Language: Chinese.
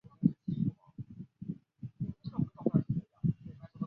杰克逊镇区为美国堪萨斯州吉里县辖下的镇区。